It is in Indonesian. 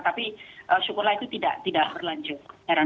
tapi syukurlah itu tidak berlanjut